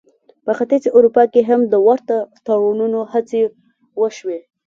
په ختیځې اروپا کې هم د ورته تړونونو هڅې وشوې.